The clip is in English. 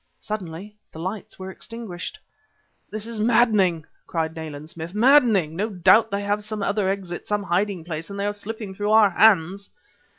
Suddenly, the lights were extinguished. "This is maddening!" cried Nayland Smith "maddening! No doubt they have some other exit, some hiding place and they are slipping through our hands!"